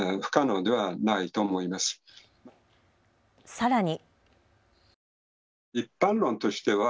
さらに。